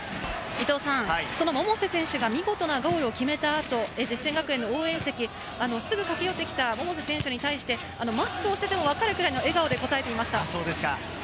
百瀬選手が見事なゴールを決めた後、実践学園の応援席、すぐ駆け寄ってきた百瀬選手に対して、マスクをしていても、わからくらいの笑顔で答えていました。